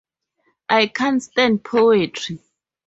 I can't stand poetry.